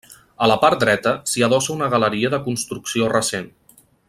A la part dreta s'hi adossa una galeria de construcció recent.